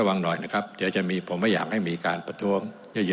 ระวังหน่อยนะครับแถวจะมีผมว่าอยากให้มีการประทง